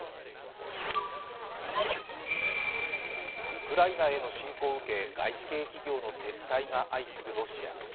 ウクライナへの侵攻を受け、外資系企業の撤退が相次ぐロシア。